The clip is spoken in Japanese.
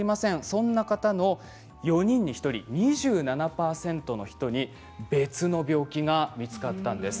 そんな方の４人に１人２７％の人に別の病気が見つかりました。